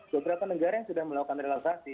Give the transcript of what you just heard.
beberapa negara yang sudah melakukan relaksasi